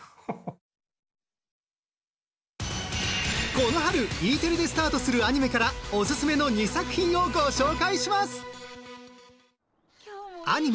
この春Ｅテレでスタートするアニメからオススメの２作品をご紹介します！